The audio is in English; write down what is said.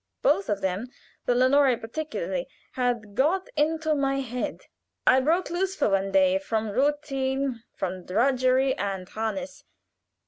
Both of them, the 'Lenore' particularly, had got into my head. I broke lose for one day from routine, from drudgery and harness.